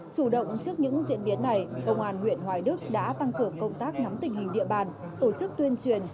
chủ động trước những diễn biến này công an huyện hoài đức đã tăng cường công tác nắm tình hình địa bàn tổ chức tuyên truyền